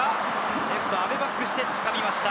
レフト・阿部がバックして掴みました。